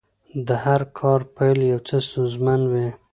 د هر کار پیل یو څه ستونزمن وي.